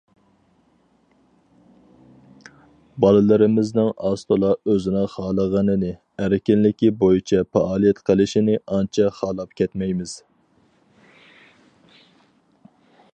بالىلىرىمىزنىڭ ئاز- تولا ئۆزىنىڭ خالىغىنىنى، ئەركىنلىكى بويىچە پائالىيەت قىلىشىنى ئانچە خالاپ كەتمەيمىز.